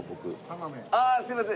ああすいません。